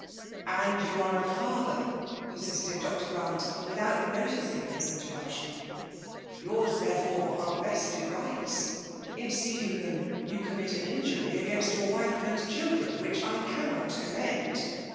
'*" And you are a father !" persisted Dr. Orant, without noticing his interruption ; "Yours, therefore, are vested rights. In ceding them, you conlmit an injury against FEMALK J>OMINATiON; 261' your wife and children^ which I cannot Com mend.